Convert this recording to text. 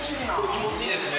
気持ちいいですね。